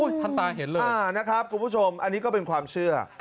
อุ้ยท่านตายเห็นเลยคุณผู้ชมอันนี้ก็เป็นความเชื่อ